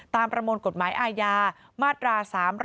ประมวลกฎหมายอาญามาตรา๓๒